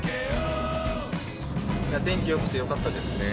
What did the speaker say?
天気よくてよかったですね。